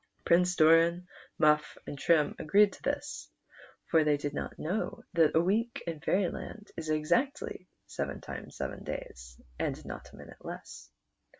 Prince Doran, Muff, and Trim agreed to tlu's, for they did not know that a week in Fairyland is exactly seven times seven days, and not a minute less.